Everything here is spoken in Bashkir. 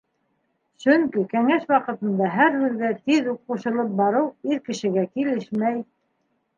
Сөнки кәңәш ваҡытында һәр һүҙгә тиҙ үк ҡушылып барыу ир кешегә килешмәй.